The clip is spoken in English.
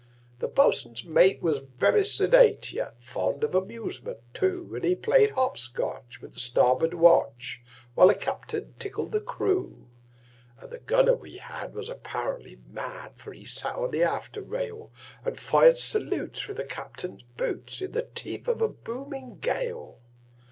The boatswain's mate was very sedate, Yet fond of amusement, too; And he played hop scotch with the starboard watch, While the captain tickled the crew. And the gunner we had was apparently mad, For he sat on the after rail, And fired salutes with the captain's boots, In the teeth of the booming gale.